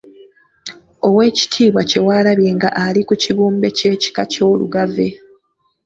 Oweekitiibwa Kyewalabye nga ali ku kibumbe ky’ekika ky’Olugave.